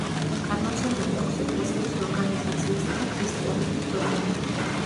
გადმოცემული აქვს ეკლესიის ორგანიზაციისა და ქრისტიანობის დოგმები.